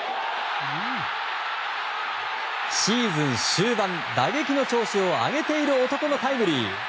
シーズン終盤、打撃の調子を上げている男のタイムリー。